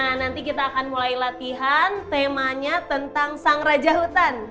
nah nanti kita akan mulai latihan temanya tentang sang raja hutan